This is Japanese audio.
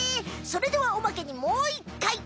それではおまけにもう１かい！